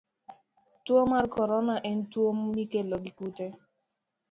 Tuo mar korona en tuwo mikelo gi kute.